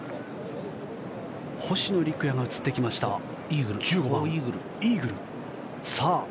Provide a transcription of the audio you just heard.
星野陸也が映ってきましたイーグル、１５番。